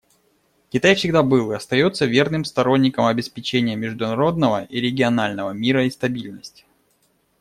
Китай всегда был и остается верным сторонником обеспечения международного и регионального мира и стабильности.